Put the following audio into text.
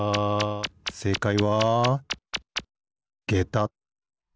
せいかいはげた。